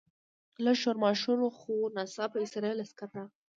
لږ شور ماشور و خو ناڅاپه اسرایلي عسکر راغلل.